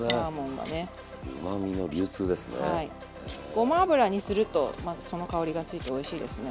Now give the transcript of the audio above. ごま油にするとまたその香りがついておいしいですね。